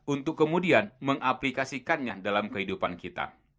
untuk kemudian mengaplikasikannya dalam kehidupan kita